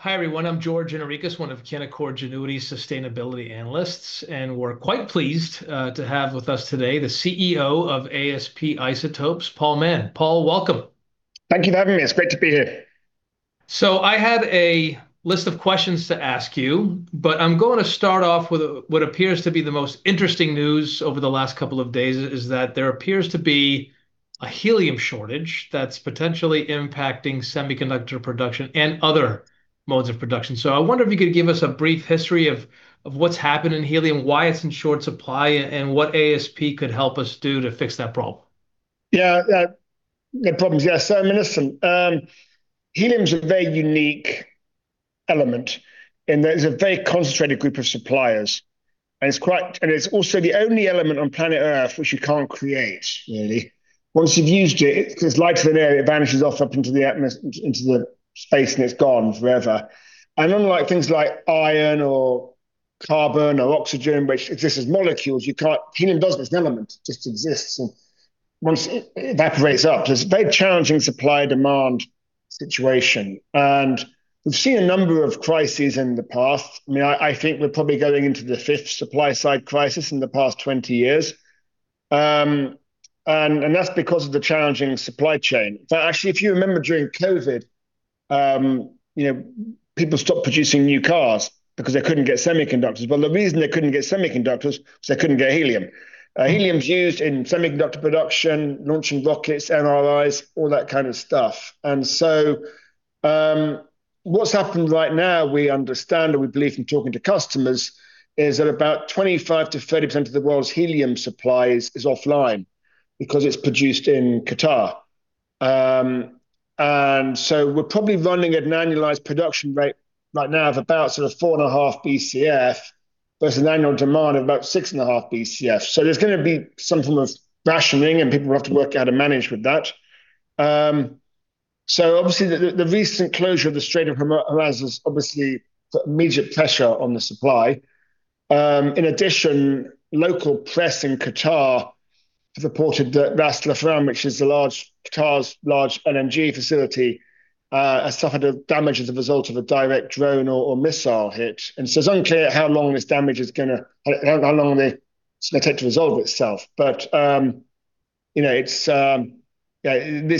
Hi, everyone. I'm George Giannikas, one of Canaccord Genuity's sustainability analysts, and we're quite pleased to have with us today the CEO of ASP Isotopes, Paul Mann. Paul, welcome. Thank you for having me. It's great to be here. I had a list of questions to ask you, but I'm going to start off with what appears to be the most interesting news over the last couple of days, is that there appears to be a helium shortage that's potentially impacting semiconductor production and other modes of production. I wonder if you could give us a brief history of what's happened in helium, why it's in short supply, and what ASP could help us do to fix that problem. I mean, helium's a very unique element in that it's a very concentrated group of suppliers, and it's also the only element on planet Earth which you can't create, really. Once you've used it's lighter than air, it vanishes off up into the space, and it's gone forever. Unlike things like iron or carbon or oxygen, which exists as molecules, you can't. Helium doesn't. It's an element. It just exists and once it evaporates up. There's a very challenging supply-demand situation, and we've seen a number of crises in the past. I mean, I think we're probably going into the fifth supply side crisis in the past 20 years, and that's because of the challenging supply chain. In fact, actually, if you remember during COVID, you know, people stopped producing new cars because they couldn't get semiconductors. Well, the reason they couldn't get semiconductors was they couldn't get helium. Helium's used in semiconductor production, launching rockets, MRIs, all that kind of stuff. What's happened right now, we understand or we believe from talking to customers, is that about 25%-30% of the world's helium supply is offline because it's produced in Qatar. We're probably running at an annualized production rate right now of about sort of 4.5 BCF versus an annual demand of about 6.5 BCF. There's gonna be some form of rationing, and people will have to work out and manage with that. Obviously, the recent closure of the Strait of Hormuz has obviously put immediate pressure on the supply. In addition, local press in Qatar have reported that Ras Laffan, which is Qatar's large LNG facility, has suffered damage as a result of a direct drone or missile hit. It's unclear how long this damage is gonna take to resolve itself. This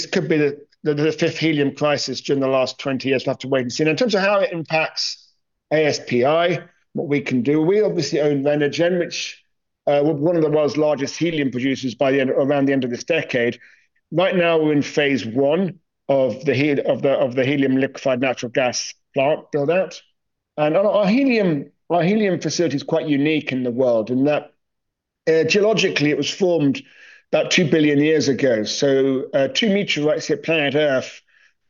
could be the fifth helium crisis during the last 20 years. We'll have to wait and see. Now, in terms of how it impacts ASPI, what we can do, we obviously own Renergen, which will be one of the world's largest helium producers around the end of this decade. Right now, we're in phase I of the helium liquefied natural gas plant build-out. Our helium facility is quite unique in the world in that, geologically, it was formed about 2 billion years ago. Two meteorites hit planet Earth,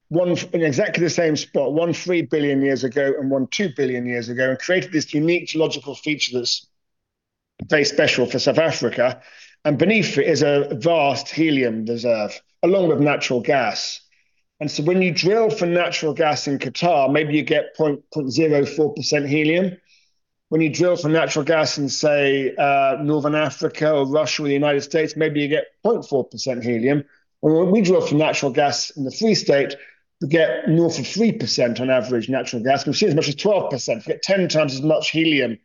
one in exactly the same spot, one 3 billion years ago and one 2 billion years ago, and created this unique geological feature that's very special for South Africa. Beneath it is a vast helium reserve, along with natural gas. When you drill for natural gas in Qatar, maybe you get 0.04% helium. When you drill for natural gas in, say, northern Africa or Russia or the United States, maybe you get 0.4% helium. When we drill for natural gas in the Free State, we get north of 3% on average natural gas. We've seen as much as 12%. We get 10x as much helium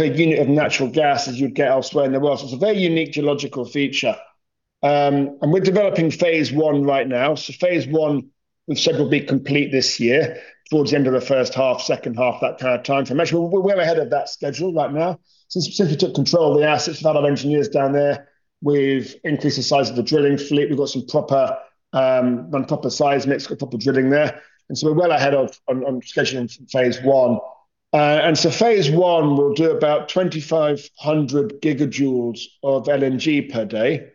per unit of natural gas as you'd get elsewhere in the world, so it's a very unique geological feature. We're developing phase I right now. Phase I, we've said, will be complete this year, towards the end of the H1, H2, that kind of timeframe. Actually, we're ahead of that schedule right now. Since we took control of the assets, we've had our engineers down there. We've increased the size of the drilling fleet. We've got some proper size next couple drilling there. We're well ahead of schedule in phase I. Phase I, we'll do about 2,500 gigajoules of LNG per day.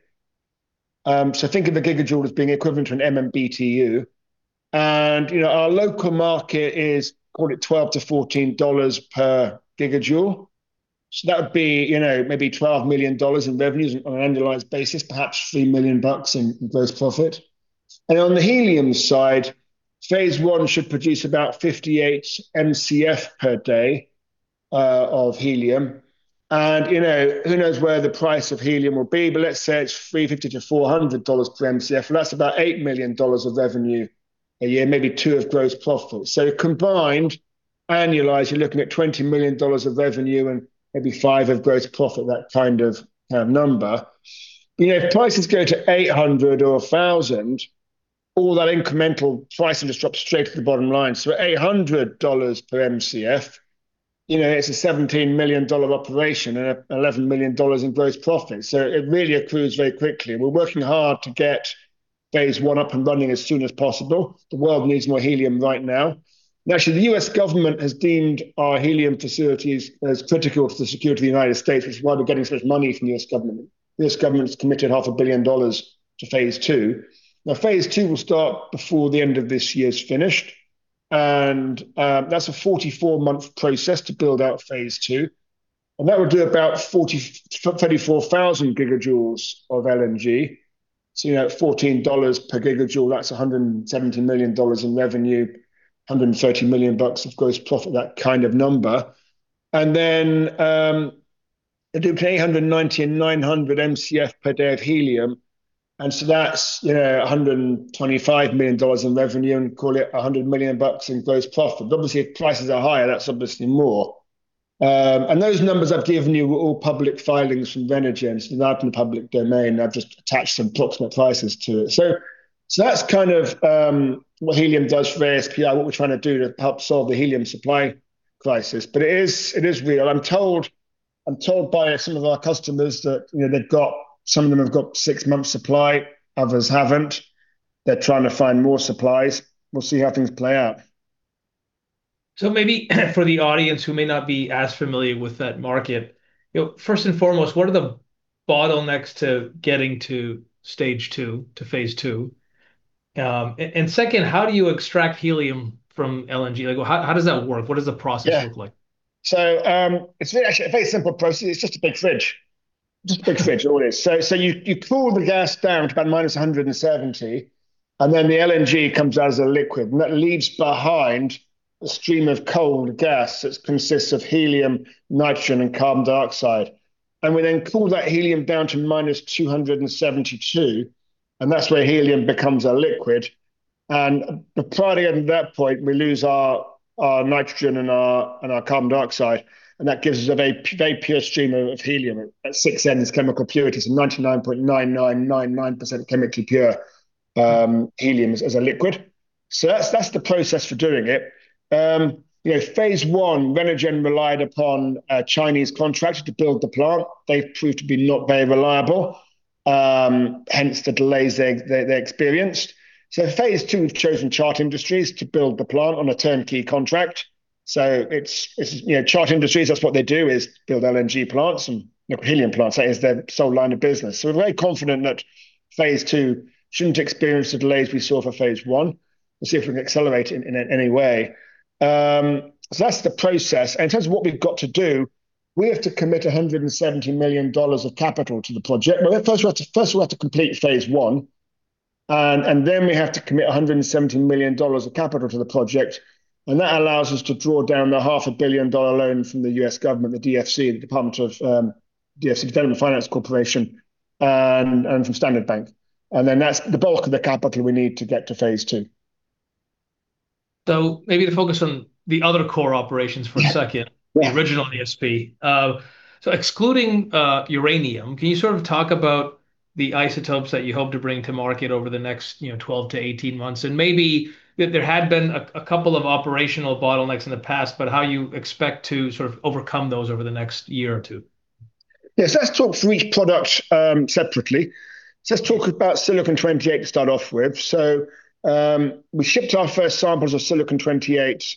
Think of a gigajoule as being equivalent to an MMBTU. You know, our local market is, call it $12-$14 per gigajoule. That would be, you know, maybe $12 million in revenues on an annualized basis, perhaps $3 million in gross profit. On the helium side, phase I should produce about 58 MCF per day of helium. You know, who knows where the price of helium will be? Let's say it's $350-$400 per MCF, and that's about $8 million of revenue a year, maybe $2 million of gross profit. Combined, annualized, you're looking at $20 million of revenue and maybe $5 million of gross profit, that kind of number. You know, if prices go to $800 or $1,000, all that incremental pricing just drops straight to the bottom line. At $800 per MCF, you know, it's a $17 million operation and eleven million dollars in gross profit. It really accrues very quickly, and we're working hard to get phase I up and running as soon as possible. The world needs more helium right now. Actually, the U.S. government has deemed our helium facilities as critical to the security of the United States, which is why we're getting so much money from the U.S. government. The U.S. government's committed $0.5 billion to phase II. Now, phase II will start before the end of this year is finished, and that's a 44-month process to build out phase II. That will do about 34,000 gigajoules of LNG. You know, at $14 per gigajoule, that's $170 million in revenue, $130 million of gross profit, that kind of number. Then they produce 890 MCF and 900 MCF per day of helium, and so that's, yeah, $125 million in revenue and call it $100 million in gross profit. But obviously, if prices are higher, that's obviously more. Those numbers I've given you were all public filings from Renergen. They're out in the public domain. I've just attached some approximate prices to it. That's kind of what helium does for ASPI, what we're trying to do to help solve the helium supply crisis. But it is real. I'm told by some of our customers that, you know, some of them have got six months' supply, others haven't. They're trying to find more supplies. We'll see how things play out. Maybe for the audience who may not be as familiar with that market, you know, first and foremost, what are the bottlenecks to getting to stage II, to phase II? And second, how do you extract helium from LNG? Like, well, how does that work? What does the process Yeah look like? Actually a very simple process. It's just a big fridge. Just a big fridge, all it is. You cool the gas down to about -170, and then the LNG comes out as a liquid, and that leaves behind a stream of cold gas that consists of helium, nitrogen, and carbon dioxide. We then cool that helium down to -272, and that's where helium becomes a liquid. Prior to getting to that point, we lose our nitrogen and our carbon dioxide, and that gives us a very, very pure stream of helium. At 6N, its chemical purity is 99.9999% chemically pure helium as a liquid. That's the process for doing it. You know, phase I, Renergen relied upon a Chinese contractor to build the plant. They've proved to be not very reliable, hence the delays they experienced. phase II, we've chosen Chart Industries to build the plant on a turnkey contract. It's you know, Chart Industries, that's what they do is build LNG plants and you know, helium plants. That is their sole line of business. We're very confident that phase II shouldn't experience the delays we saw for phase I. We'll see if we can accelerate it in any way. That's the process. In terms of what we've got to do, we have to commit $170 million of capital to the project. Well, first we have to complete phase I. Then we have to commit $170 million of capital to the project, and that allows us to draw down the $0.5 billion loan from the U.S. government, the U.S. International Development Finance Corporation, and from Standard Bank. Then that's the bulk of the capital we need to get to phase II. Maybe the focus on the other core operations for a second. Yeah. The original ASP. Excluding uranium, can you sort of talk about the isotopes that you hope to bring to market over the next, you know, 12 months-18 months? Maybe there had been a couple of operational bottlenecks in the past, but how you expect to sort of overcome those over the next year or two years. Yes, let's talk through each product, separately. Let's talk about Silicon-28 to start off with. We shipped our first samples of Silicon-28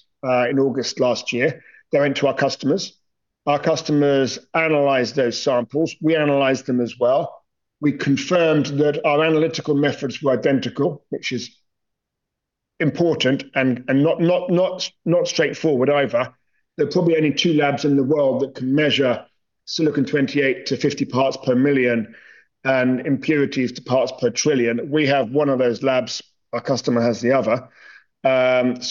in August last year. They're with our customers. Our customers analyzed those samples. We analyzed them as well. We confirmed that our analytical methods were identical, which is important and not straightforward either. There are probably only two labs in the world that can measure Silicon-28 to 50 parts per million and impurities to parts per trillion. We have one of those labs, our customer has the other.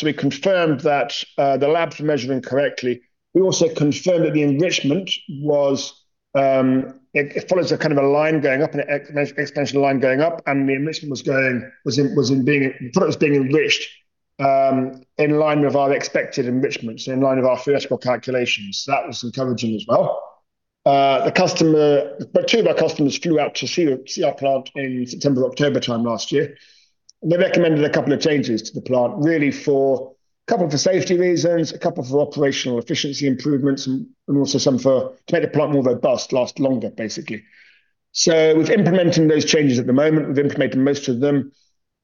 We confirmed that the labs were measuring correctly. We also confirmed that the enrichment was. It follows a kind of a line going up, an exponential line going up, and the product was being enriched in line with our expected enrichments, in line with our theoretical calculations. That was encouraging as well. Two of our customers flew out to see our plant in September, October time last year. They recommended a couple of changes to the plant, really a couple for safety reasons, a couple for operational efficiency improvements and also some to make the plant more robust, last longer, basically. We're implementing those changes at the moment. We've implemented most of them.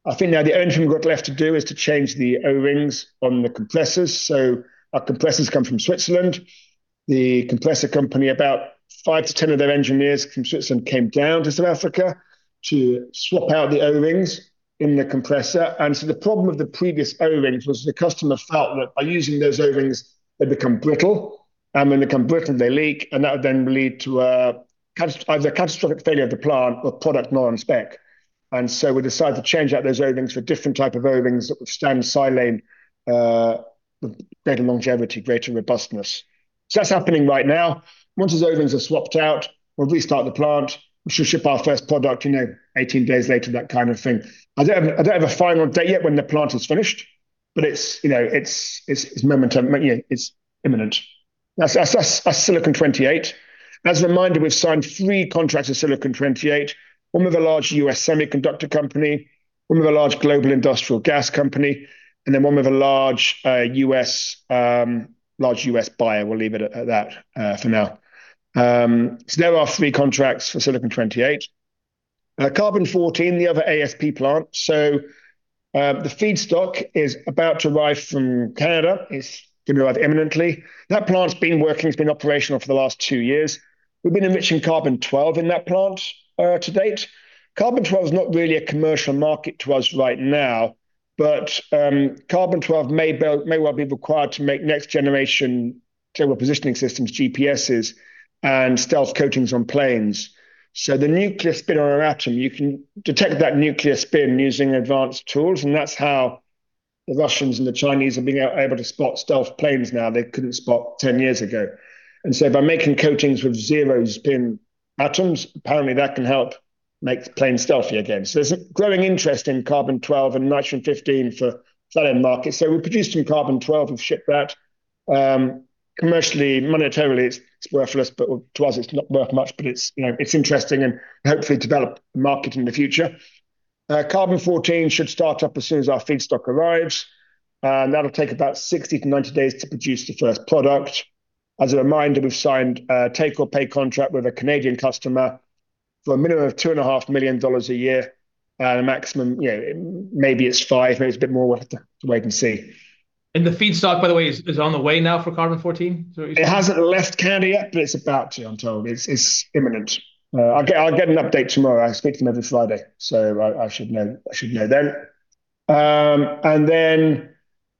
I think now the only thing we've got left to do is to change the O-rings on the compressors. Our compressors come from Switzerland. The compressor company, about five-10 of their engineers from Switzerland came down to South Africa to swap out the O-rings in the compressor. The problem with the previous O-rings was the customer felt that by using those O-rings, they become brittle, and when they become brittle, they leak, and that would then lead to either catastrophic failure of the plant or product not on spec. We decided to change out those O-rings for a different type of O-rings that would withstand silane, better longevity, greater robustness. That's happening right now. Once those O-rings are swapped out, we'll restart the plant. We should ship our first product, you know, 18 days later, that kind of thing. I don't have a final date yet when the plant is finished, but you know, it's imminent. You know, it's imminent. That's Silicon-28. As a reminder, we've signed three contracts with Silicon-28, one with a large U.S. semiconductor company, one with a large global industrial gas company, and then one with a large U.S. buyer. We'll leave it at that for now. There are our three contracts for Silicon-28. Carbon-14, the other ASP plant. The feedstock is about to arrive from Canada. It's gonna arrive imminently. That plant's been working, it's been operational for the last two years. We've been enriching Carbon-12 in that plant to date. Carbon-12 is not really a commercial market to us right now, but Carbon-12 may well be required to make next generation global positioning systems, GPSes, and stealth coatings on planes. The nuclear spin on our atom, you can detect that nuclear spin using advanced tools, and that's how the Russians and the Chinese are able to spot stealth planes now they couldn't spot 10 years ago. By making coatings with zero-spin atoms, apparently that can help make the plane stealthy again. There's a growing interest in Carbon-12 and Nitrogen-15 for certain markets. We produced some Carbon-12 and shipped that. Commercially, monetarily it's worthless, but well, to us it's not worth much, but it's, you know, it's interesting and hopefully develop a market in the future. Carbon-14 should start up as soon as our feedstock arrives, and that'll take about 60 days-90 days to produce the first product. As a reminder, we've signed a take or pay contract with a Canadian customer for a minimum of $2.5 million a year. The maximum, you know, maybe it's five, maybe it's a bit more. We'll have to wait and see. The feedstock, by the way, is on the way now for Carbon-14, so it's. It hasn't left Canada yet, but it's about to, I'm told. It's imminent. I'll get an update tomorrow. I speak to them every Friday, so I should know then. For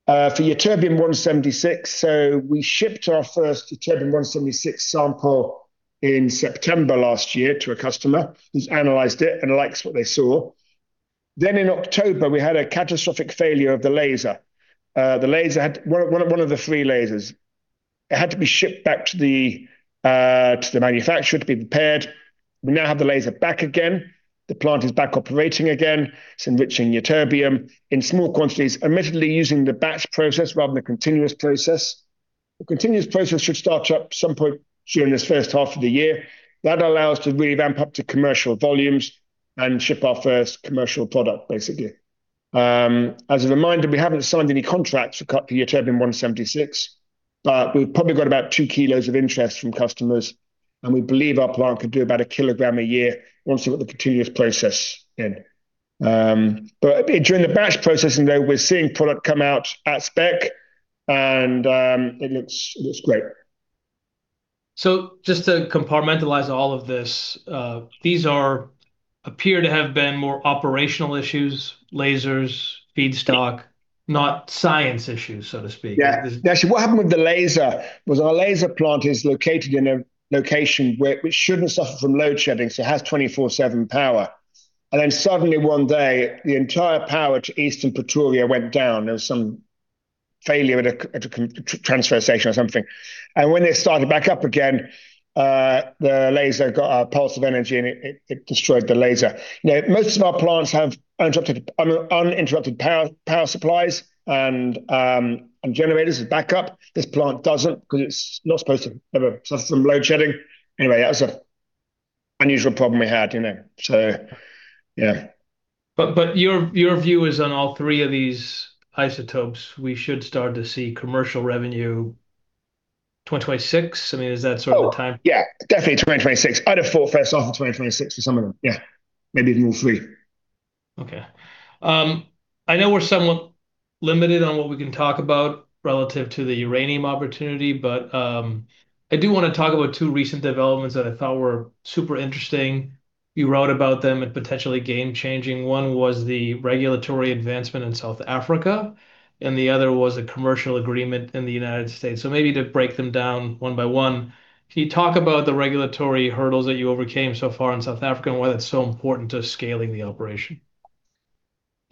Ytterbium-176, we shipped our first Ytterbium-176 sample in September last year to a customer, who's analyzed it and likes what they saw. In October, we had a catastrophic failure of the laser. The laser had one of the three lasers. It had to be shipped back to the manufacturer to be repaired. We now have the laser back again. The plant is back operating again. It's enriching ytterbium in small quantities, admittedly using the batch process rather than the continuous process. The continuous process should start up some point during this H1 of the year. That'll allow us to really ramp up to commercial volumes and ship our first commercial product, basically. As a reminder, we haven't signed any contracts for Ytterbium-176, but we've probably got about two kilograms of interest from customers, and we believe our plant could do about a kilogram a year once we've got the continuous process in. During the batch processing though, we're seeing product come out at spec and it looks great. Just to compartmentalize all of this, these appear to have been more operational issues, lasers, feedstock, not science issues, so to speak. Yeah. Actually, what happened with the laser was our laser plant is located in a location where it shouldn't suffer from load shedding, so it has 24/7 power. Then suddenly one day the entire power to eastern Pretoria went down. There was some failure at a transfer station or something. When they started back up again, the laser got a pulse of energy and it destroyed the laser. You know, most of our plants have uninterrupted power supplies and generators as backup. This plant doesn't because it's not supposed to ever suffer some load shedding. Anyway, that was an unusual problem we had, you know? Yeah. Your view is on all three of these isotopes, we should start to see commercial revenue 2026? I mean, is that sort of the time- Oh, yeah. Definitely 2026. I'd have thought H1 of 2026 for some of them, yeah. Maybe even all three. Okay. I know we're somewhat limited on what we can talk about relative to the uranium opportunity, but, I do want to talk about two recent developments that I thought were super interesting. You wrote about them and potentially game changing. One was the regulatory advancement in South Africa, and the other was a commercial agreement in the United States. Maybe to break them down one by one, can you talk about the regulatory hurdles that you overcame so far in South Africa and why that's so important to scaling the operation?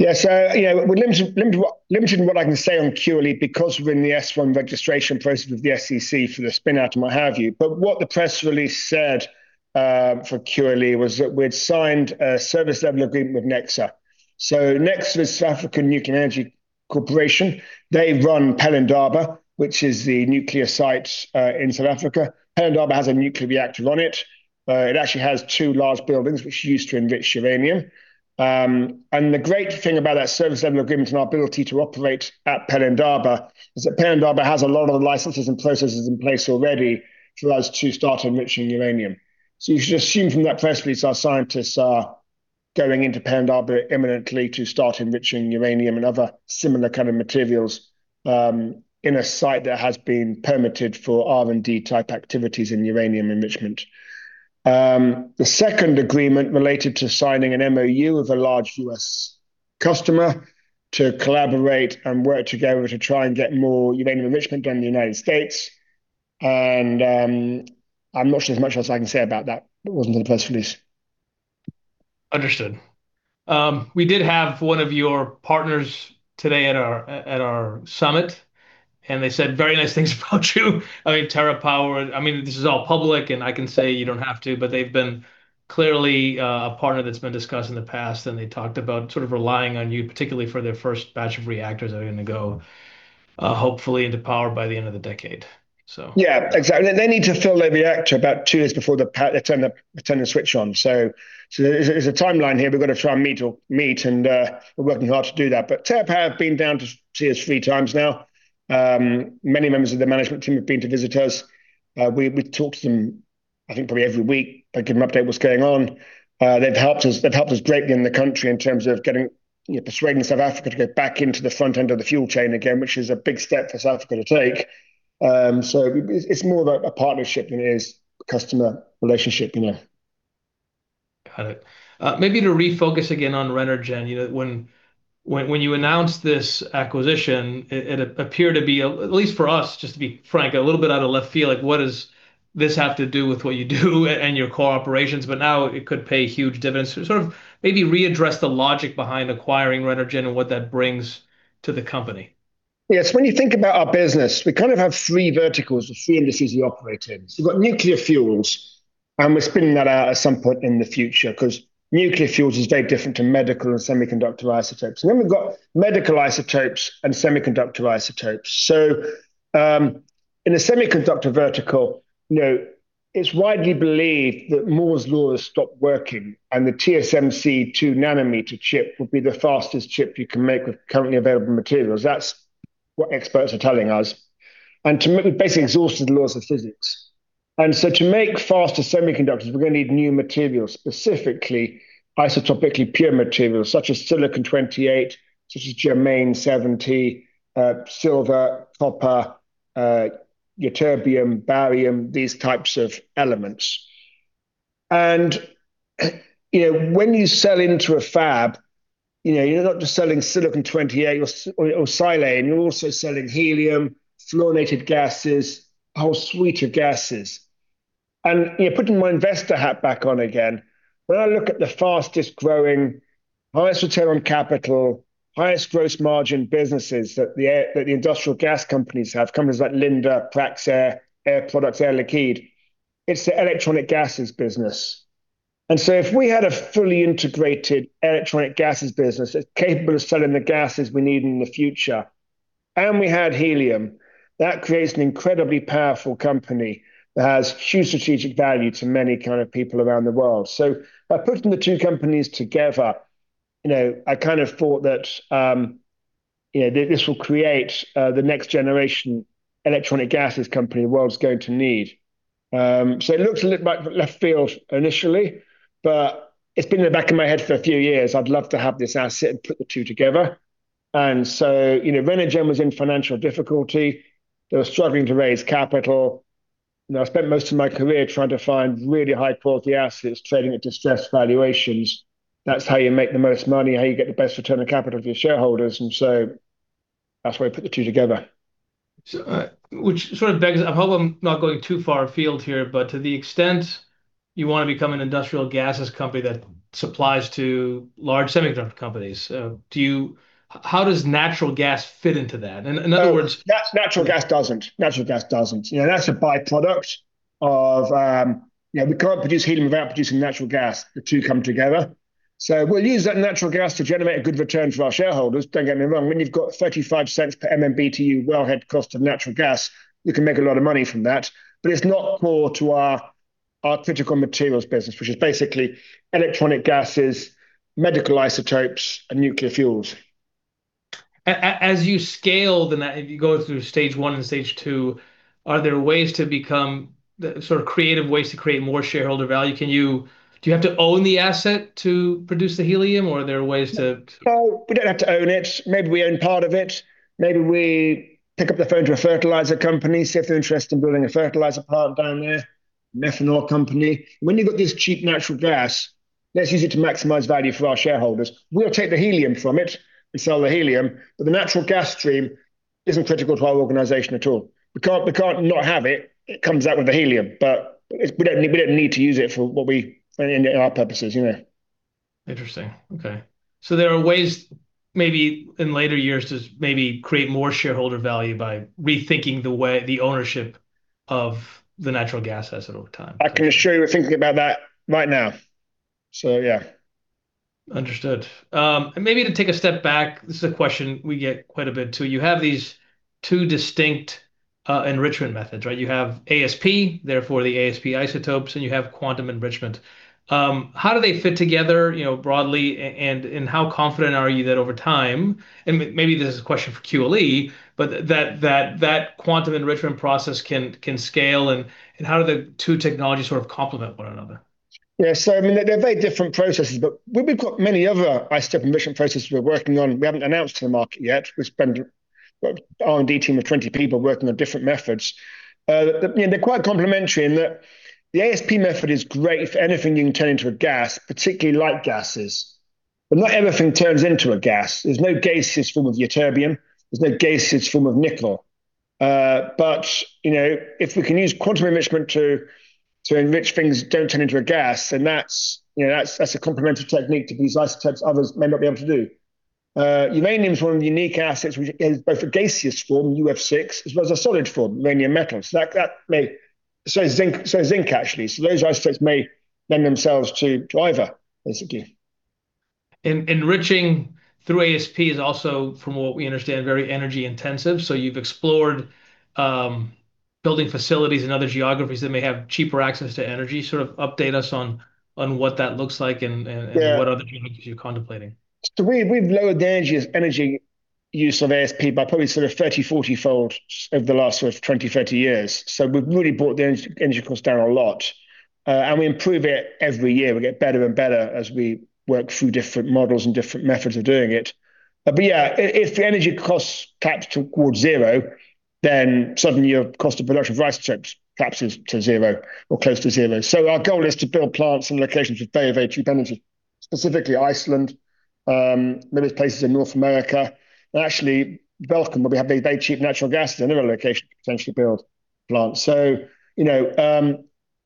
Yeah. You know, we're limited in what I can say on QLE because we're in the S-1 registration process with the SEC for the spin-out and what have you. What the press release said for QLE was that we'd signed a service level agreement with Necsa. Necsa is South African Nuclear Energy Corporation. They run Pelindaba, which is the nuclear site in South Africa. Pelindaba has a nuclear reactor on it. It actually has two large buildings which are used to enrich uranium. The great thing about that service level agreement and our ability to operate at Pelindaba is that Pelindaba has a lot of the licenses and processes in place already for us to start enriching uranium. You should assume from that press release our scientists are going into Pelindaba imminently to start enriching uranium and other similar kind of materials, in a site that has been permitted for R&D type activities in uranium enrichment. The second agreement related to signing an MOU of a large U.S. customer to collaborate and work together to try and get more uranium enrichment done in the United States and, I'm not sure there's much else I can say about that that wasn't in the press release. Understood. We did have one of your partners today at our summit, and they said very nice things about you. I mean, TerraPower, I mean, this is all public and I can say you don't have to, but they've been clearly a partner that's been discussed in the past and they talked about sort of relying on you, particularly for their first batch of reactors that are gonna go hopefully into power by the end of the decade, so. Yeah, exactly. They need to fill their reactor about 2 years before they turn the switch on. There's a timeline here we've got to try and meet or exceed, and we're working hard to do that. TerraPower have been down to see us three times now. Many members of their management team have been to visit us. We talk to them I think probably every week. I give them an update of what's going on. They've helped us greatly in the country in terms of getting, you know, persuading South Africa to go back into the front end of the fuel chain again, which is a big step for South Africa to take. It's more of a partnership than it is a customer relationship, you know. Got it. Maybe to refocus again on Renergen. You know, when you announced this acquisition, it appeared to be a, at least for us, just to be frank, a little bit out of left field. Like what does this have to do with what you do and your core operations? Now it could pay huge dividends to sort of maybe readdress the logic behind acquiring Renergen and what that brings to the company. Yes. When you think about our business, we kind of have three verticals or three industries we operate in. We've got nuclear fuels, and we're spinning that out at some point in the future 'cause nuclear fuels is very different to medical and semiconductor isotopes. We've got medical isotopes and semiconductor isotopes. In a semiconductor vertical, you know, it's widely believed that Moore's Law has stopped working and the TSMC 2 nanometer chip would be the fastest chip you can make with currently available materials. That's what experts are telling us. We've basically exhausted the laws of physics. To make faster semiconductors, we're gonna need new materials, specifically isotopically pure materials such as silicon-28, such as germanium-70, silver, copper, ytterbium, barium, these types of elements. you know, when you sell into a fab, you know, you're not just selling Silicon-28 or silane, you're also selling helium, fluorinated gases, a whole suite of gases. you know, putting my investor hat back on again, when I look at the fastest-growing, highest return on capital, highest gross margin businesses that the industrial gas companies have, companies like Linde, Praxair, Air Products, Air Liquide, it's the electronic gases business. if we had a fully integrated electronic gases business that's capable of selling the gases we need in the future, and we had helium, that creates an incredibly powerful company that has huge strategic value to many kind of people around the world. By putting the two companies together, you know, I kind of thought that, you know, this will create the next generation electronic gases company the world's going to need. It looks a little out of left field initially, but it's been in the back of my head for a few years. I'd love to have this asset and put the two together. You know, Renergen was in financial difficulty. They were struggling to raise capital. You know, I spent most of my career trying to find really high-quality assets trading at distressed valuations. That's how you make the most money, how you get the best return on capital for your shareholders, and so that's why we put the two together. which sort of begs. I hope I'm not going too far afield here, but to the extent you wanna become an industrial gases company that supplies to large semiconductor companies, how does natural gas fit into that? In other words Oh, natural gas doesn't. You know, that's a by-product of, you know, we can't produce helium without producing natural gas. The two come together. We'll use that natural gas to generate a good return for our shareholders. Don't get me wrong. When you've got $0.35 per MMBTU wellhead cost of natural gas, you can make a lot of money from that. It's not core to our critical materials business, which is basically electronic gases, medical isotopes, and nuclear fuels. As you scale, if you go through stage one and stage two, are there sort of creative ways to create more shareholder value? Do you have to own the asset to produce the helium, or are there ways to- No, we don't have to own it. Maybe we own part of it. Maybe we pick up the phone to a fertilizer company, see if they're interested in building a fertilizer plant down there, an ethanol company. When you've got this cheap natural gas, let's use it to maximize value for our shareholders. We'll take the helium from it and sell the helium, but the natural gas stream isn't critical to our organization at all. We can't not have it. It comes out with the helium, but it's, we don't need to use it for what we in our purposes, you know. Interesting. Okay. There are ways maybe in later years to maybe create more shareholder value by rethinking the way the ownership of the natural gas asset over time. I can assure you we're thinking about that right now. Yeah. Understood. Maybe to take a step back, this is a question we get quite a bit too. You have these two distinct enrichment methods, right? You have ASP for the ASP Isotopes, and you have Quantum Enrichment. How do they fit together, you know, broadly, and how confident are you that over time, and maybe this is a question for QLE, but that Quantum Enrichment process can scale, and how do the two technologies sort of complement one another? Yeah. I mean, they're very different processes, but we've got many other isotope enrichment processes we're working on we haven't announced to the market yet. We've got an R&D team of 20 people working on different methods. You know, they're quite complementary in that the ASP method is great for anything you can turn into a gas, particularly light gases. But not everything turns into a gas. There's no gaseous form of ytterbium. There's no gaseous form of nickel. You know, if we can use Quantum Enrichment to enrich things that don't turn into a gas, then that's a complementary technique to produce isotopes others may not be able to do. Uranium's one of the unique assets which is both a gaseous form, UF6, as well as a solid form, uranium metal. That may. Is zinc, actually. Those isotopes may lend themselves to driver, basically. Enriching through ASP is also, from what we understand, very energy-intensive, so you've explored building facilities in other geographies that may have cheaper access to energy. Sort of update us on what that looks like and. Yeah What other geographies you're contemplating? We've lowered the energy use of ASP by probably sort of 30 fold-40 fold over the last sort of 20 years-30 years. We've really brought the energy costs down a lot. We improve it every year. We get better and better as we work through different models and different methods of doing it. But yeah, if the energy costs cap towards zero, then suddenly your cost of production of isotopes caps to zero or close to zero. Our goal is to build plants in locations with very, very cheap energy, specifically Iceland, various places in North America, and actually Belgium, where we have very, very cheap natural gas. They're another location to potentially build plants. You know,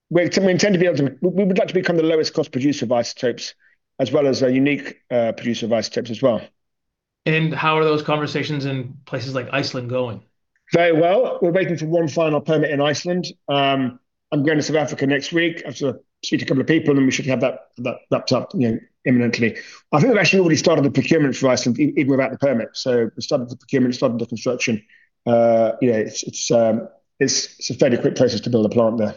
we would like to become the lowest cost producer of isotopes as well as a unique producer of isotopes as well. How are those conversations in places like Iceland going? Very well. We're waiting for one final permit in Iceland. I'm going to South Africa next week. I have to speak to a couple of people, and then we should have that wrapped up, you know, imminently. I think we've actually already started the procurement for Iceland even without the permit. We've started the procurement, started the construction. You know, it's a fairly quick process to build a plant there.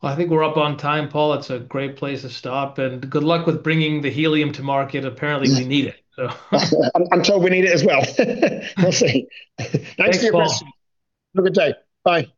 Well, I think we're up on time, Paul. It's a great place to stop, and good luck with bringing the helium to market. Yeah We need it, so. I'm told we need it as well. We'll see. Thanks, Paul. Thanks very much. Have a good day. Bye.